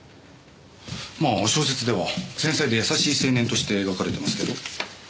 まあ小説では繊細で優しい青年として描かれてますけど。